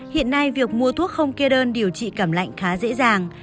hiện nay việc mua thuốc không kê đơn điều trị cảm lạnh khá dễ dàng